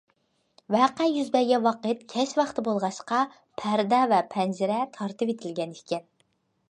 ۋەقە يۈز بەرگەن ۋاقىت كەچ ۋاقتى بولغاچقا، پەردە ۋە پەنجىرە تارتىۋېتىلگەن ئىكەن.